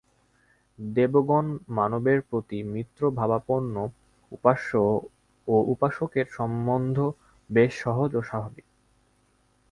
দেবগণ মানবের প্রতি মিত্রভাবাপন্ন, উপাস্য ও উপাসকের সম্বন্ধ বেশ সহজ ও স্বাভাবিক।